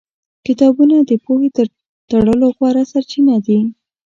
کتابونه د پوهې تر ټولو غوره سرچینه دي.